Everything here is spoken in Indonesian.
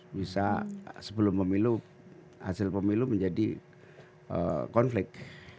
bisa sebelum pemilu hasil pemilu menjadi konflik